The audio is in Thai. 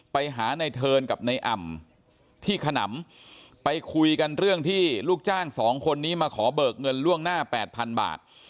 ไปหาในเทิร์นกับในอ่ำที่ขนำไปคุยกันเรื่องที่ลูกจ้างสองคนนี้มาขอเบิกเงินล่วงหน้าแปดพันบาท